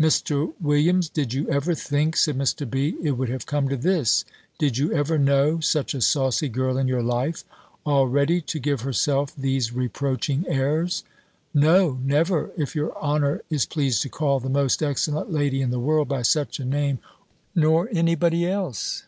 "Mr. Williams, did you ever think," said Mr. B., "it would have come to this? Did you ever know such a saucy girl in your life? Already to give herself these reproaching airs?" "No, never, if your honour is pleased to call the most excellent lady in the world by such a name, nor any body else."